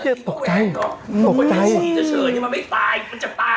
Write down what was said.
ถมือให้ชี้จะเชิญนี่มันไม่ตายมันจะตายไม่